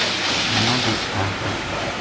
مَنا بے طلاق لَبھ گئی